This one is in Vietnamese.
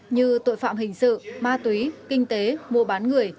như tội phạm hình sự ma túy kinh tế mua bán người